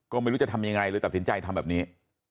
ก็ไม่รู้จะทำยังไงเลยตัดสินใจทำแบบนี้